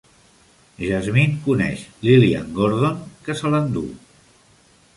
Jasmine coneix Lillian Gordon, que se l'endú.